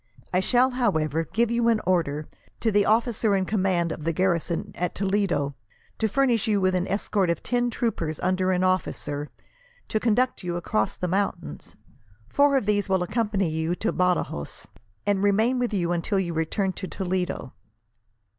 I shall, however, give you an order, to the officer in command of the garrison at Toledo, to furnish you with an escort of ten troopers under an officer, to conduct you across the mountains. Four of these will accompany you to Badajos, and remain with you until you return to Toledo.